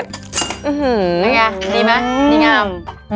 โอเคค่ะดีมั้ยดีงาม